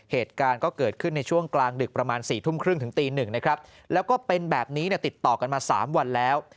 เหตุการณ์ก็เกิดขึ้นในช่วงกลางดึกประมาณ๔ทุ่มครึ่งถึงตีหนึ่งนะครับแล้วก็เป็นแบบนี้ติดต่อกันมา๓วันแล้ว